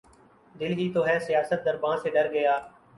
دل ہی تو ہے سیاست درباں سے ڈر گیا